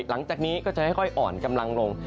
หลังจากนี้ก็จะค่อยอ่อนกำลังลง